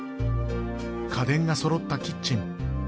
家電がそろったキッチン。